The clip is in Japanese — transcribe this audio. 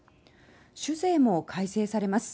酒税も改正されます。